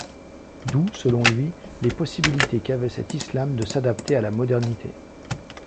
D'où, selon lui, les possibilités qu’avait cet islam de s’adapter à la modernité.